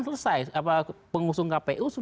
selesai pengusung kpu